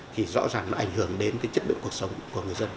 thì rõ ràng nó ảnh hưởng đến cái chất lượng cuộc sống của người dân